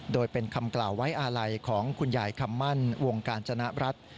โดยเป็นคำกล่าวไว้อาลัยของคุณยายคำมั่นวงกาญจนรัฐ